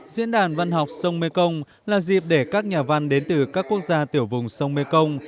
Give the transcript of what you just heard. diễn đàn văn học sông mê công là dịp để các nhà văn đến từ các quốc gia tiểu vùng sông mê công